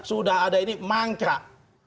sudah ada ini mangkrak